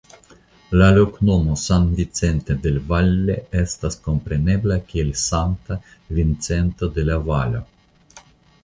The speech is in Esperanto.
La loknomo "San Vicente del Valle" estas komprenbebla kiel "Sankta Vincento de la Valo".